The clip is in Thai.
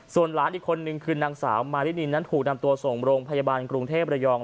ส่วนหลานอีกคนนึงคือนางสาวมารินินนั้นถูกนำตัวส่งโรงพยาบาลกรุงเทพระยอง